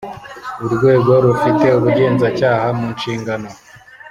Urwego rufite ubugenzacyaha mu nshingano